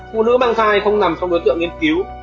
phụ nữ mang thai không nằm trong đối tượng nghiên cứu